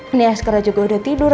ini askara juga udah tidur